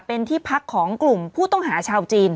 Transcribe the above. เป็นที่พักของกลุ่มผู้ต้องหาชาวจีน